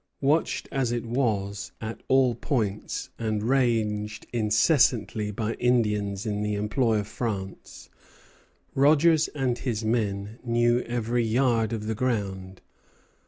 Watched as it was at all points, and ranged incessantly by Indians in the employ of France, Rogers and his men knew every yard of the ground.